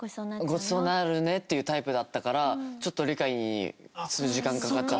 ごちそうになるねっていうタイプだったからちょっと理解するのに時間かかっちゃって。